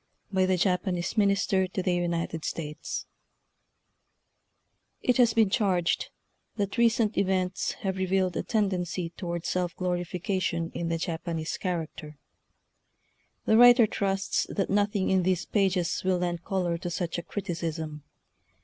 BY THE JAPANESE MINISTB IT has been charged that recent events have revealed a tendency toward self glorification in the Japanese character. The writer trusts that nothing in these pages will lend color to such a criticism.